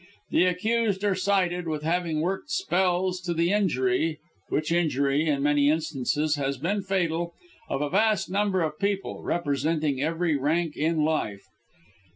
The accused are cited with having worked spells to the injury which injury, in many instances, has been fatal of a vast number of people, representative of every rank in life.